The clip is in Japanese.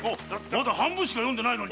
まだ半分しか読んでないのに！